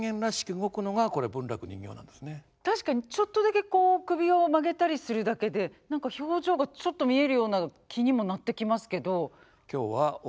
確かにちょっとだけこう首を曲げたりするだけで何か表情がちょっと見えるような気にもなってきますけど。